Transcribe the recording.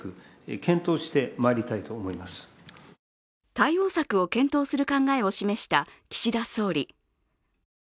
対応策を検討する考えを示した岸田総理。